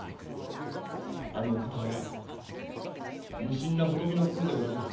あのお方は無心な仏の心でおられる。